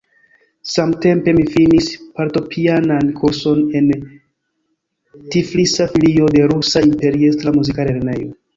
Samtempe mi finis fortepianan kurson en Tiflisa filio de "Rusa Imperiestra muzika lernejo".